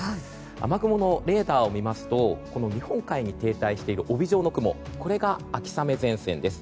雨雲のレーダーを見ますと日本海に停滞している帯状の雲が秋雨前線です。